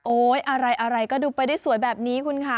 อะไรก็ดูไปได้สวยแบบนี้คุณค่ะ